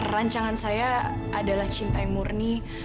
rancangan saya adalah cinta yang murni